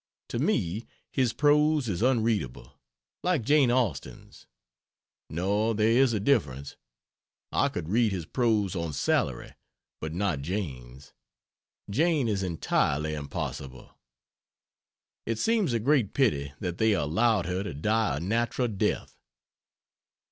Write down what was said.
To me his prose is unreadable like Jane Austin's. No, there is a difference. I could read his prose on salary, but not Jane's. Jane is entirely impossible. It seems a great pity that they allowed her to die a natural death.